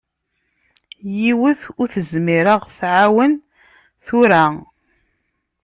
Yiwet ur tezmir ad ɣ-twaɛen tura.